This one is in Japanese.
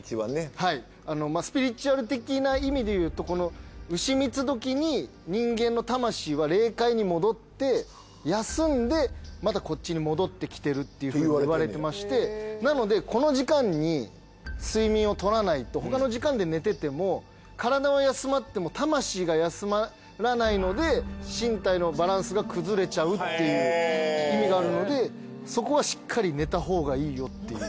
はいスピリチュアル的な意味で言うとこの丑三つ時に人間の魂は霊界に戻って休んでまたこっちに戻ってきてるっていうふうにいわれてましてなのでこの時間に睡眠をとらないと他の時間で寝てても体は休まっても魂が休まらないので身体のバランスが崩れちゃうっていう意味があるのでそこはしっかり寝たほうがいいよっていう。